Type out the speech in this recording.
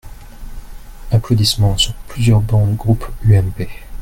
(Applaudissements sur plusieurs bancs du groupe UMP.